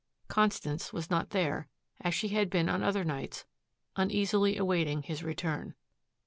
Constance was not there, as she had been on other nights, uneasily awaiting his return.